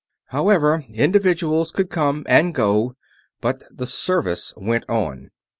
However, individuals could come and go, but the Service went on.